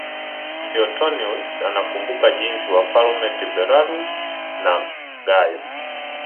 Suetonius anakumbuka jinsi Wafalme Tiberius na Gayo